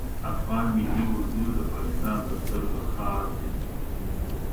افغان ملی اردو د پاکستان د سترګو خار ده